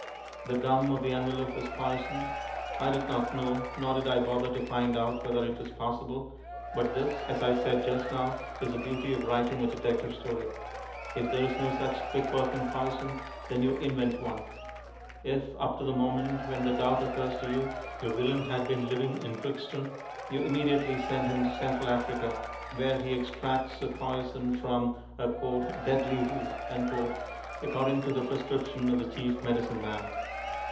The gum of the envelope was poisoned. I did not know, nor did I bother to find out, whether it was possible, but this, as I said just now, is the beauty of writing a detective story. If there is no such quick working poison, then you invent one. If up to the moment when the doubt occurs to you, your villain had been living in Brixton, you immediately send him to Central Africa, where he extracts a poison from a "deadly root" according to the prescription of the chief medicine man.